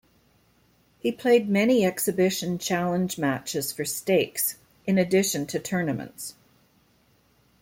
He played many exhibition challenge matches for stakes, in addition to tournaments.